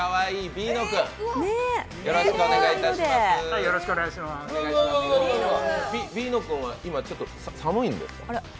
ビーノ君は今ちょっと寒いんですか？